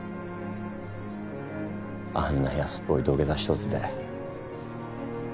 あんな安っぽい土下座一つで。